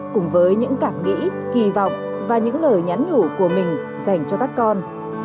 cùng với những cảm nghĩ kỳ vọng và những lời nhắn nhủ của mình dành cho các con